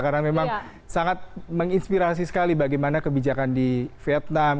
karena memang sangat menginspirasi sekali bagaimana kebijakan di vietnam